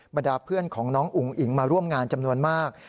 บรรดาเพื่อนของน้องอุ๋งอิ๋งมาร่วมงานจำนวนมาก